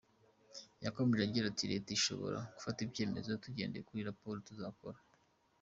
Yakomeje agira ati “Leta ishobora gufata icyemezo tugendeye kuri raporo tuzabona.